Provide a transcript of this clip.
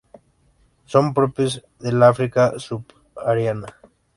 Son propios del África subsahariana.